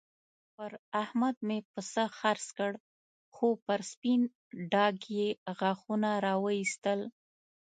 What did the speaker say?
پر احمد مې پسه خرڅ کړ؛ خو پر سپين ډاګ يې غاښونه را واېستل.